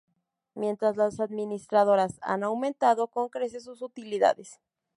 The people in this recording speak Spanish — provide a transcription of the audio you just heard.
Mientras las administradoras han aumentado con creces sus utilidades.